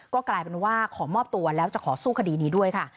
ก็กลายเป็นว่าขอมอบตัวแล้วจะขอสู้คดีนี้ด้วยค่ะ